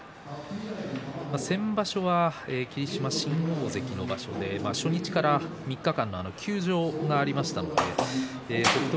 先場所は霧島新大関の場所で初日から３日間休場がありましたので北勝